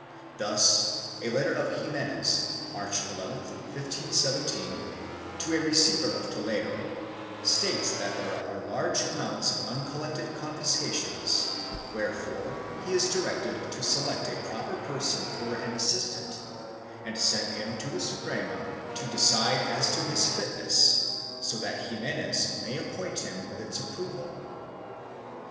Thus a letter of Ximenes, March 11, 1517, to the receiver of Toledo, states that there are large amounts of uncollected confiscations, wherefore he is directed to select a proper person for an assistant and send him to the Suprema to decide as to his fitness, so that Ximenes may appoint him with its approval.